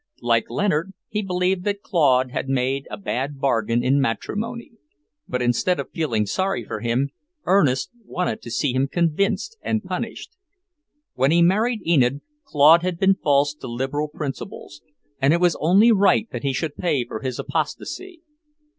Like Leonard, he believed that Claude had made a bad bargain in matrimony; but instead of feeling sorry for him, Ernest wanted to see him convinced and punished. When he married Enid, Claude had been false to liberal principles, and it was only right that he should pay for his apostasy.